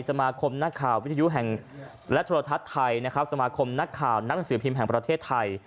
สมาคมนักข่าววิทยุแห่งและโทรทัศน์ไทยนะครับสมาคมนักข่าวนักหนังสือพิมพ์แห่งประเทศไทย